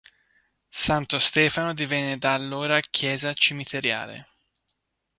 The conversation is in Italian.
Santo Stefano divenne da allora chiesa cimiteriale.